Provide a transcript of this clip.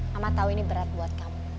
mama tahu ini berat buat kamu